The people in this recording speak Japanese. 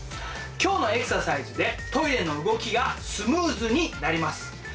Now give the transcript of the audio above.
今日のエクササイズでトイレの動きがスムーズになります。